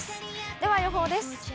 では予報です。